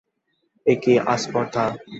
এ কী আস্পর্ধা!